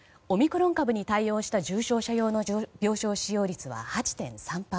オミクロン株に対応した重症者用の病床使用率は８．３％。